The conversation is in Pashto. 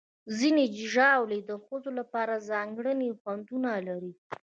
ځینې ژاولې د ښځو لپاره ځانګړي خوندونه لري.